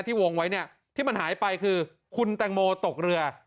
วงไว้เนี่ยที่มันหายไปคือคุณแตงโมตกเรือ